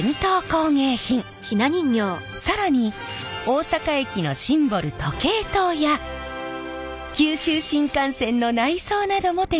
更に大阪駅のシンボル時計塔や九州新幹線の内装なども手がけているんです。